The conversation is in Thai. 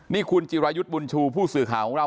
นี่คุณจิรายุทธ์บุญชูผู้สื่อข่าวของเรา